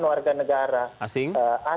warga negara asing